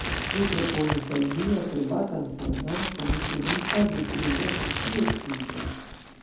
Vi proponis al ni akrobatan forrampon, kiam ni havis rimedon tiel simplan!